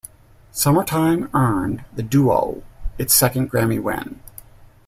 Summertime earned the duo its second Grammy win.